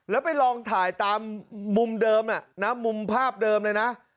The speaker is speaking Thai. แล้วไปลองถ่ายตามมุมเดิมมุมภาพเดิมเลยนะ